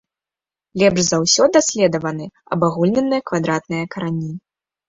Лепш за ўсё даследаваны абагульненыя квадратныя карані.